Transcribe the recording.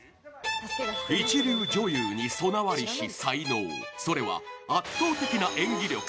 一流女優に備わりし才能、それは圧倒的な演技力。